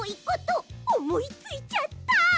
ことおもいついちゃった！